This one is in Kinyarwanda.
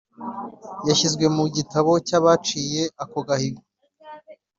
yashyizwe mu Gitabo cyaba ciye ako gahigo